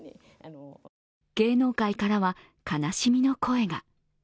芸能界からは悲しみの声が。